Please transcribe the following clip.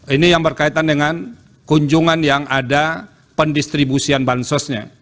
ini yang berkaitan dengan kunjungan yang ada pendistribusian bansosnya